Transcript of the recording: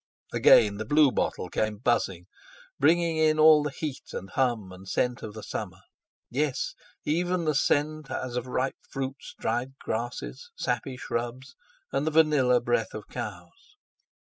Again the blue bottle came buzzing—bringing in all the heat and hum and scent of summer—yes, even the scent—as of ripe fruits, dried grasses, sappy shrubs, and the vanilla breath of cows.